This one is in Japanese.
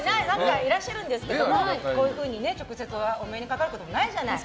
いらっしゃるんですけどこういうふうに直接お目にかかることもないじゃない。